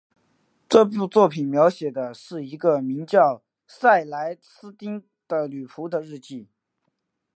这部作品描写的是一名名叫塞莱丝汀的女仆的日记。